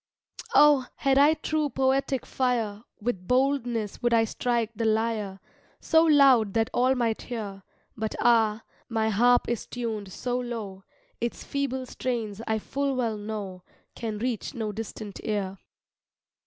Oh! had I true poetic fire, With boldness would I strike the lyre So loud that all might hear; But ah! my harp is tuned so low, Its feeble strains I full well know Can reach no distant ear.